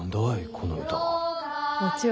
この歌は。